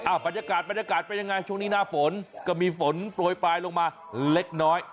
บรรยากาศบรรยากาศเป็นยังไงช่วงนี้หน้าฝนก็มีฝนโปรยปลายลงมาเล็กน้อย